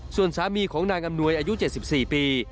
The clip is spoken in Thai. ส่วนสามีของนางอำนวยอายุ๗๔ปี